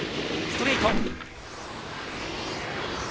ストレイト。